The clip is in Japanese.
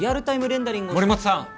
レンダリング森本さん